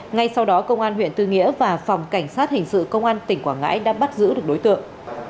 ngay sau đó công an huyện tư nghĩa và phòng cảnh sát hình sự công an tỉnh quảng ngãi đã bắt giữ được đối tượng